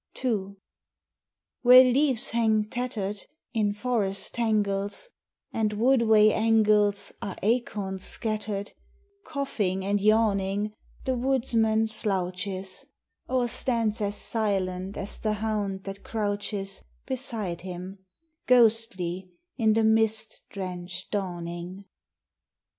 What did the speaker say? II Where leaves hang tattered In forest tangles, And woodway angles Are acorn scattered, Coughing and yawning The woodsman slouches, Or stands as silent as the hound that crouches Beside him, ghostly in the mist drenched dawning.